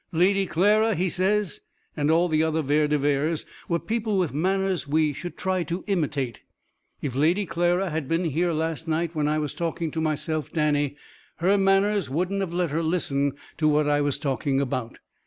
"Lady Clara," he says, "and all the other Vere de Veres, were people with manners we should try to imitate. If Lady Clara had been here last night when I was talking to myself, Danny, her manners wouldn't have let her listen to what I was talking about."